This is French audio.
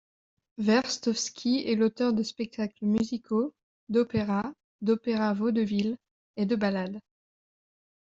Verstovski est l'auteur de spectacles musicaux, d'opéras, d'opéra-vaudevilles et de ballades.